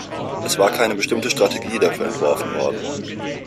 Es war keine bestimmte Strategie dafür entworfen worden.